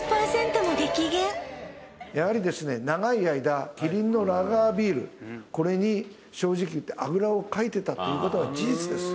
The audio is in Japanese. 長い間キリンのラガービールこれに正直言ってあぐらをかいてたっていうことは事実です